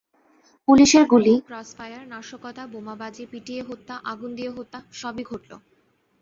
পুলিশের গুলি, ক্রসফায়ার, নাশকতা, বোমাবাজি, পিটিয়ে হত্যা, আগুন দিয়ে হত্যা—সবই ঘটল।